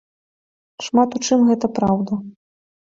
Шмат у чым гэта праўда.